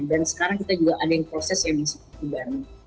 dan sekarang kita juga ada yang proses yang bisa kita dibantu